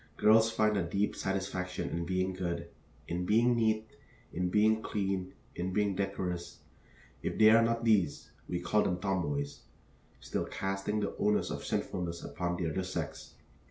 Girls find a deep satisfaction in being good in being neat, in being clean, in being decorous. If they are not these, we call them tomboys, still casting the onus of sinfulness upon the other sex.